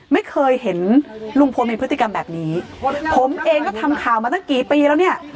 ไม่เคยเห็นลุงพลมีพฤติกรรมแบบนี้ผมเองก็ทำข่าวมาตั้งกี่ปีแล้วเนี่ย